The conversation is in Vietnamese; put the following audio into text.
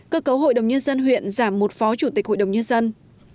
cơ cấu hội đồng nhân dân huyện giảm một phó chủ tịch hội đồng nhân dân